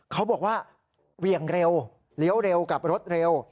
เขาบอกว่าเหวี่ยงเร็วเลี้ยวเร็วกับรถเร็ว